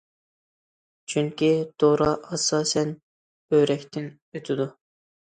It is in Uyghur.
چۈنكى دورا ئاساسەن بۆرەكتىن ئۆتىدۇ.